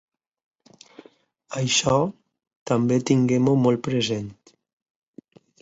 Això, també tinguem-ho molt present.